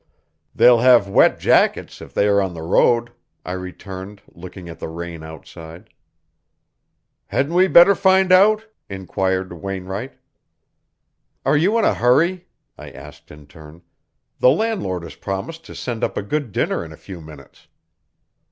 "They'll have wet jackets if they are on the road," I returned, looking at the rain outside. "Hadn't we better find out?" inquired Wainwright. "Are you in a hurry?" I asked in turn. "The landlord has promised to send up a good dinner in a few minutes."